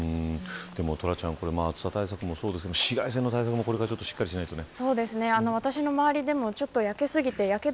トラちゃん、暑さ対策もそうですが、紫外線の対策もこれからしっかりしないとね。